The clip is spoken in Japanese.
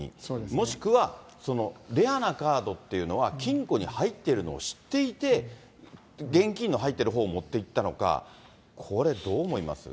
もしくは、レアなカードっていうのは金庫に入ってるのを知っていて、現金の入っているほうを持っていったのか、これどう思います？